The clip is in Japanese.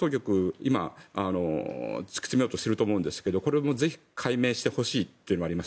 今、突き詰めようとしているんだろうと思いますがこれもぜひ解明してほしいというのもあります。